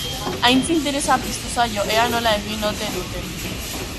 Aitzi interesa piztu zaio ea nola egin ote duten.